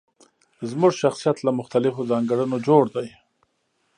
زموږ شخصيت له مختلفو ځانګړنو جوړ دی.